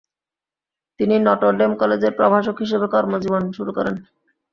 তিনি Notre Dame কলেজের প্রভাষক হিসেবে কর্মজীবন শুরু করেন।